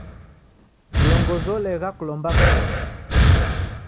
Kilongozi olegha kulomba w'ughoma.